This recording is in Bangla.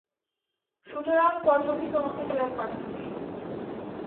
সুতরাং পত্রটি তোমাকে ফেরত পাঠাচ্ছি।